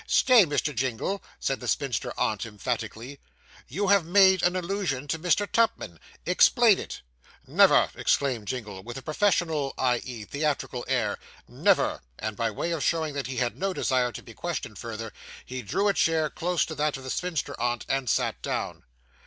'Stay, Mr. Jingle!' said the spinster aunt emphatically. 'You have made an allusion to Mr. Tupman explain it.' 'Never!' exclaimed Jingle, with a professional (i.e., theatrical) air. 'Never!' and, by way of showing that he had no desire to be questioned further, he drew a chair close to that of the spinster aunt and sat down.